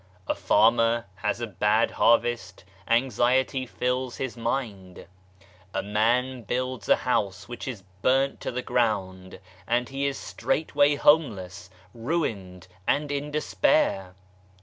A farmer has a bad harvest, anxiety fills his mind. A man builds a house which is burnt to the ground and he is straightway homeless, ruined, and in despair.